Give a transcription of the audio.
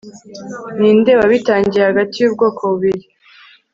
Ninde wabitangiye hagati yubwoko bubiri